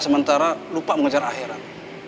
sementara lupa mengejar akhirat